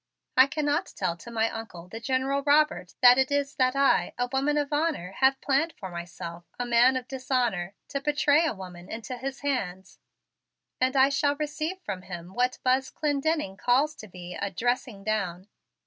I cannot tell to my Uncle, the General Robert, that it is that I, a woman of honor, have planned for myself, a man of dishonor, to betray a woman into his hands, and I shall receive from him what that Buzz Clendenning calls to be a 'dressing down.'